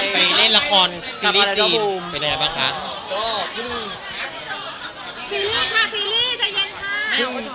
ไปเล่นราคานาธิบายก็นะครับ